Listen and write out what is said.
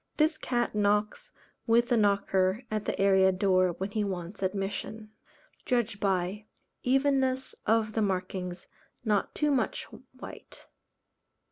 This cat knocks with the knocker at the area door when he wants admission. Judged by: Evenness of the markings; not too much white.